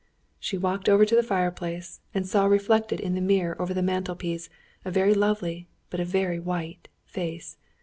She walked over to the fireplace and saw reflected in the mirror over the mantel piece, a very lovely, but a very white, face.